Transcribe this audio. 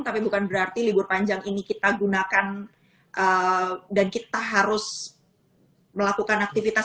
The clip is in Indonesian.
tapi bukan berarti libur panjang ini kita gunakan dan kita harus melakukan aktivitas